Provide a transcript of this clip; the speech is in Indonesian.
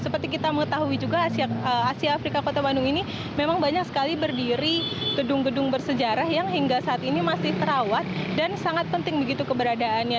seperti kita mengetahui juga asia afrika kota bandung ini memang banyak sekali berdiri gedung gedung bersejarah yang hingga saat ini masih terawat dan sangat penting begitu keberadaannya